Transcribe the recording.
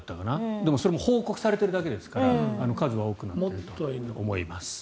でも、それも報告されているだけですから数は多くなると思います。